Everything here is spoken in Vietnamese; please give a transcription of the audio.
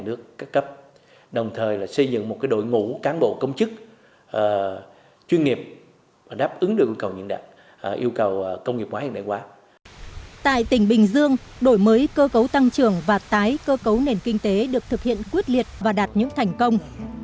đổi mới cơ cấu tăng trưởng và tái cơ cấu nền kinh tế được thực hiện quyết liệt và đạt những thành công